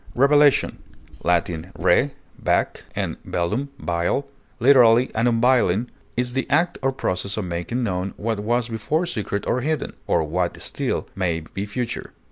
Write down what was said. Revelation (L. re, back, and velum, veil), literally an unveiling, is the act or process of making known what was before secret or hidden, or what may still be future.